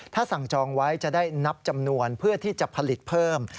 ถ้าสั่งจองไว้จะได้นับจำนวนเพื่อที่จะผลิตเพิ่ม